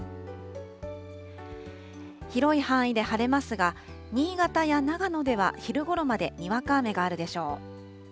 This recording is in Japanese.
広い範囲で晴れますが、新潟や長野では昼ごろまでにわか雨があるでしょう。